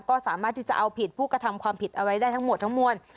ก็สามารถที่จะเอาผิดผู้กระทำความผิดเอาไว้ได้ทั้งหมดทั้งมวล